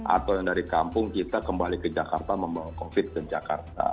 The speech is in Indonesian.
atau yang dari kampung kita kembali ke jakarta membawa covid ke jakarta